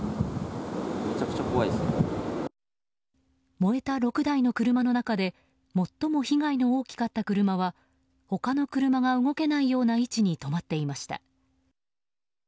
燃えた６台の車の中で最も被害の大きかった車は他の車が動けないような位置に止まっていました。